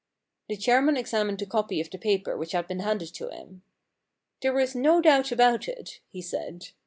The chairman examined the copy of the paper which had been handed to him. * There is no doubt about it/ he said.